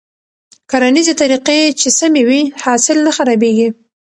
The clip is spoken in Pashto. کرنيزې طريقې چې سمې وي، حاصل نه خرابېږي.